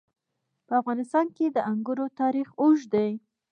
په افغانستان کې د انګور تاریخ اوږد دی.